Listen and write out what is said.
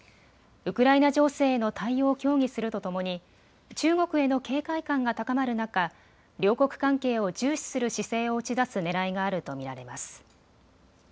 ウクライナ情勢への対応を協議するとともに中国への警戒感が高まる中、両国関係を重視する姿勢を打ち出すねらいがあると見られます。